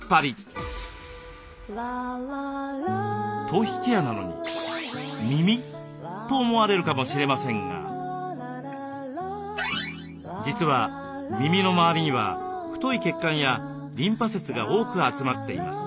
「頭皮ケアなのに耳？」と思われるかもしれませんが実は耳の周りには太い血管やリンパ節が多く集まっています。